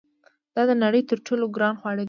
دا د نړۍ تر ټولو ګران خواړه دي.